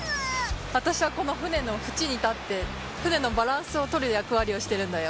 私はこの船のふちに立って船のバランスを取る役割をしてるんだよ。